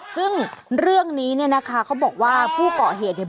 ซึ่งเรื่องนี้เนี่ยนะคะเขาบอกว่าผู้เกาะเหตุเนี่ย